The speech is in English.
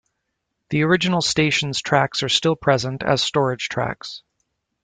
The original station's tracks are still present, as storage tracks.